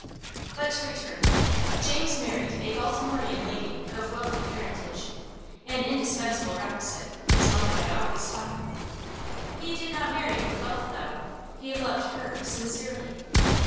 But to return. James married a Baltimorean lady of wealthy parentage, an indispensable requisite, his mother had always taught him. He did not marry her wealth, though; he loved HER, sincerely.